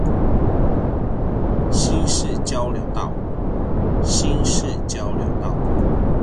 新市交流道